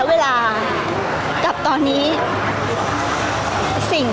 พี่ตอบได้แค่นี้จริงค่ะ